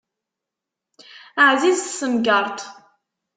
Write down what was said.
Ɛzizet temgeṛṭ.